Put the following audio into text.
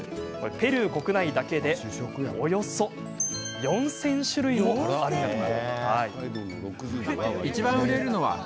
ペルー国内だけで、およそ４０００種類以上もあるんだとか。